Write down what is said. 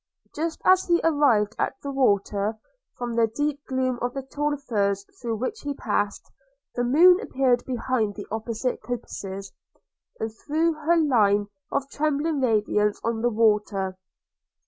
Just as he arrived at the water, from the deep gloom of the tall firs through which he passed, the moon appeared behind the opposite coppices, and threw her long line of trembling radiance on the water.